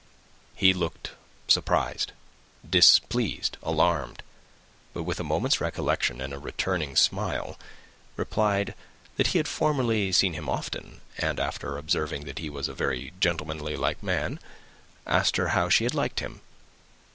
He looked surprised, displeased, alarmed; but, with a moment's recollection, and a returning smile, replied, that he had formerly seen him often; and, after observing that he was a very gentlemanlike man, asked her how she had liked him.